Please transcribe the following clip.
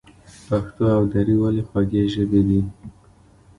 پښتو او دري ولې خوږې ژبې دي؟